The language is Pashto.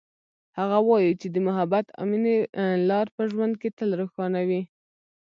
هغه وایي چې د محبت او مینې لار په ژوند کې تل روښانه وي